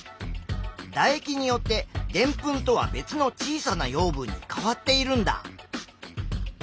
だ液によってでんぷんとは別の小さな養分に変わっているんだ。